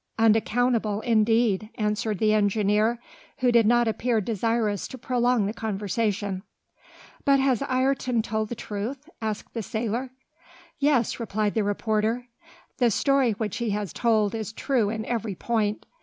"Unaccountable indeed," answered the engineer, who did not appear desirous to prolong the conversation. "But has Ayrton told the truth?" asked the sailor. "Yes," replied the reporter. "The story which he has told is true in every point.